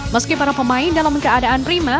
meski para pemain dalam keadaan prima